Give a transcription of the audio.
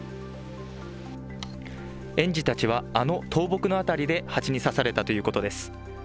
園児たちは、あの倒木の辺りでハチに刺されたということです。